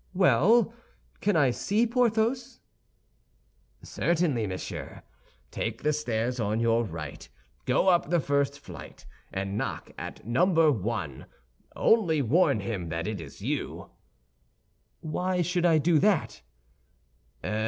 "Well, can I see Porthos?" "Certainly, monsieur. Take the stairs on your right; go up the first flight and knock at Number One. Only warn him that it is you." "Why should I do that?"